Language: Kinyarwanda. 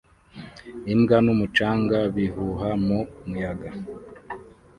Imbwa n'umucanga bihuha mu muyaga